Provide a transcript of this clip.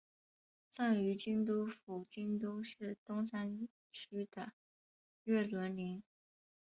葬于京都府京都市东山区的月轮陵。